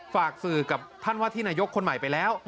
ฝากสื่อกับท่านว่าที่นายกคนใหม่ไปแล้ว